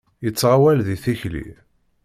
Yettɣawal di tikli.